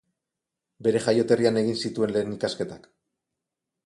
Bere jaioterrian egin zituen lehen ikasketak.